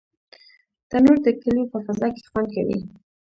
تنور د کلیو په فضا کې خوند کوي